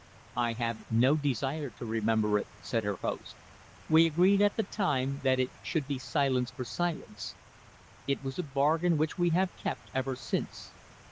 "I have no desire to remember it," said her host. "We agreed at the time that it should be silence for silence. It was a bargain which we have kept ever since.